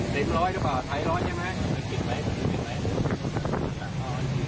เต็มร้อยหรือเปล่าไทยร้อยใช่ไหม